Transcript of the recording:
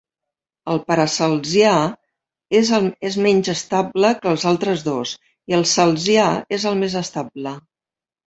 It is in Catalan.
El paracelsià és menys estable que els altres dos i el celsià és el més estable.